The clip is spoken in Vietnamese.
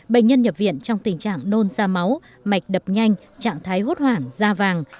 bệnh nhân nhập viện trong tình trạng nôn da máu mạch đập nhanh trạng thái hốt hoảng da vàng